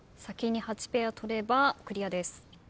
先に８ペア取ればクリアです。